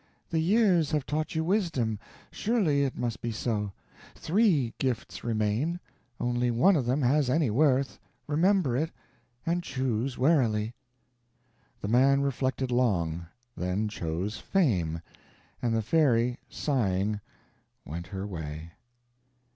"The years have taught you wisdom surely it must be so. Three gifts remain. Only one of them has any worth remember it, and choose warily." The man reflected long, then chose Fame; and the fairy, sighing, went her way.